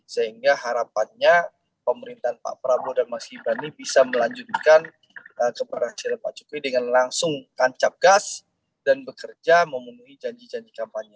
sehingga harapannya pemerintahan pak prabowo dan mas gibran ini bisa melanjutkan keberhasilan pak jokowi dengan langsung tancap gas dan bekerja memenuhi janji janji kampanye